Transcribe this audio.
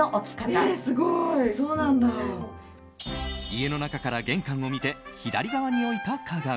家の中から玄関を見て左側に置いた鏡。